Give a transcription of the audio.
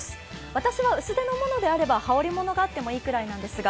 私は薄手のものであれば羽織り物があってもいいくらいんですが、